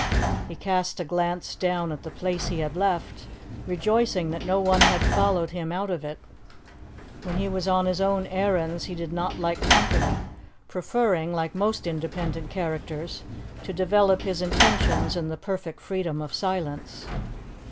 He cast a glance down at the place he had left, rejoicing that no one had followed him out of it. When he was on his own errands he did not like company, preferring, like most independent characters, to develop his intentions in the perfect freedom of silence.